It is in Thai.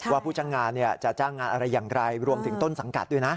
ผู้จ้างงานจะจ้างงานอะไรอย่างไรรวมถึงต้นสังกัดด้วยนะ